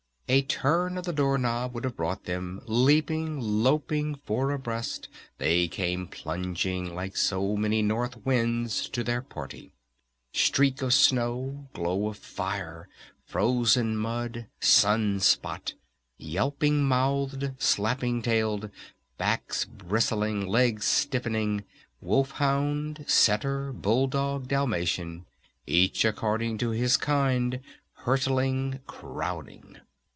A turn of the door knob would have brought them! Leaping, loping, four abreast, they came plunging like so many North Winds to their party! Streak of Snow, Glow of Fire, Frozen Mud Sun Spot! Yelping mouthed slapping tailed! Backs bristling! Legs stiffening! Wolf Hound, Setter, Bull Dog, Dalmatian, each according to his kind, hurtling, crowding!